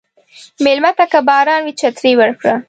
مېلمه ته که باران وي، چترې ورکړه.